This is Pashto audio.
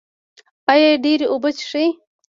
ایا ډیرې اوبه څښئ؟